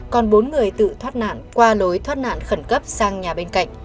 còn bốn người tự thoát nạn qua lối thoát nạn khẩn cấp sang nhà bên cạnh